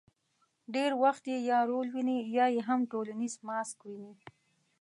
ډېر وخت یې یا رول ویني، یا یې هم ټولنیز ماسک ویني.